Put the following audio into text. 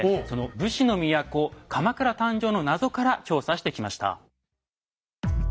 その武士の都鎌倉誕生の謎から調査してきました。